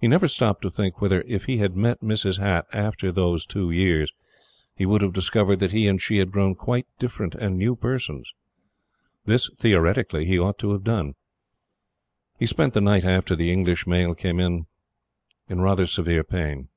He never stopped to think whether, if he had met Mrs. Hatt after those two years, he would have discovered that he and she had grown quite different and new persons. This, theoretically, he ought to have done. He spent the night after the English Mail came in rather severe pain.